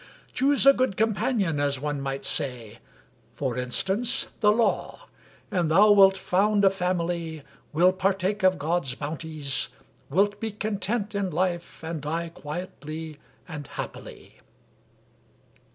Choose a good companion, as one might say, for instance the law: and thou wilt found a family; wilt partake of God's bounties; wilt be content in life, and die quietly and happily."